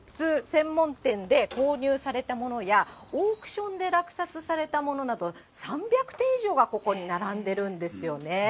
専門店で購入されたものや、オークションで落札されたものなど、３００点以上がここに並んでいるんですよね。